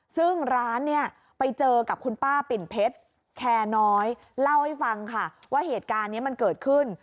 ซึ่งร้านเนี่ยไปเจอกับคุณป้าปิ่นเพชรแคร์น้อยเล่าให้ฟังค่ะว่าเหตุการณ์นี้มันเกิดขึ้น